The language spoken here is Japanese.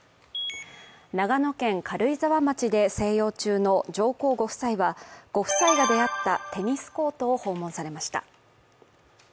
長野県軽井沢町で静養中の上皇ご夫妻は、ご夫妻が出会ったテニスコートを訪問されました。